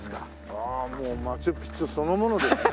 ああもうマチュピチュそのものですね。